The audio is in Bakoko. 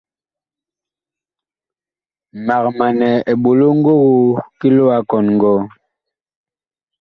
Mag manɛ eɓolo ngogoo ki loo a kɔn ngɔɔ.